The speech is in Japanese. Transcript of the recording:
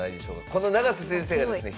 この永瀬先生がですね